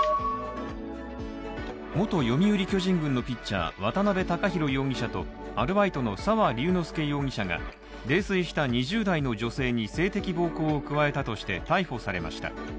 元読売巨人軍のピッチャー、渡辺貴洋容疑者とアルバイトの沢龍之介容疑者が泥酔した２０代の女性に性的暴行を加えたとして逮捕されました。